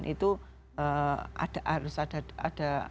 itu ada harus ada ada